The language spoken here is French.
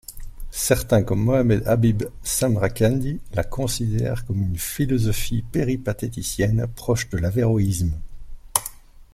Certains comme Mohammed Habib Samrakandi la considèrent comme une philosophie péripatéticienne proche de l'averroïsme.